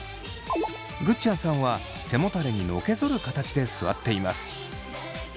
ぐっちゃんさんは背もたれにのけぞる形で座っています。